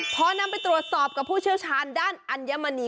พอนำไปตรวจสอบกับผู้เชี่ยวชาญด้านอัญมณี